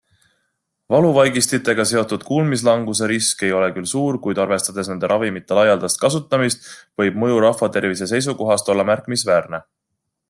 Valuvaigistitega seotud kuulmislanguse risk ei ole küll suur, kuid arvestades nende ravimite laialdast kasutamist, võib mõju rahvatervise seisukohast olla märkimisväärne.